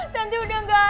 tanti udah gak ada